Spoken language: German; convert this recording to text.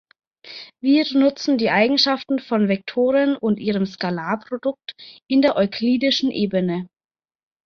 Wir nutzen die Eigenschaften von Vektoren und ihrem Skalarprodukt in der euklidischen Ebene.